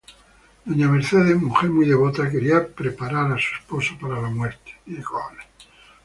Doña Mercedes mujer muy devota, quería preparar a su esposo para la muerte.